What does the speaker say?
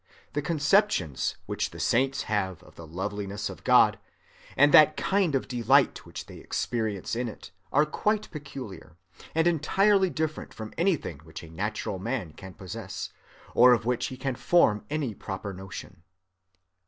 The conceptions which the saints have of the loveliness of God, and that kind of delight which they experience in it, are quite peculiar, and entirely different from anything which a natural man can possess, or of which he can form any proper notion."